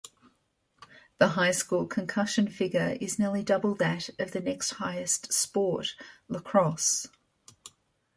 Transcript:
The high school concussion figure is nearly double that of the next-highest sport, lacrosse.